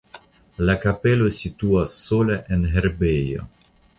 La kapelo situas sola en herbejo.